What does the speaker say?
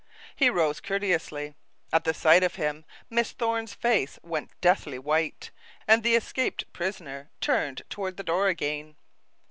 He rose courteously. At sight of him Miss Thorne's face went deathly white, and the escaped prisoner turned toward the door again.